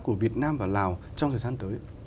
của việt nam và lào trong thời gian tới